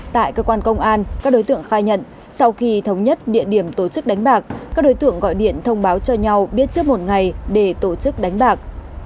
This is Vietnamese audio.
tại cơ quan công an các đối tượng khai nhận sau khi thống nhất địa điểm tổ chức đánh bạc các đối tượng gọi điện thông báo cho nhau biết trước một ngày để tổ chức đánh bạc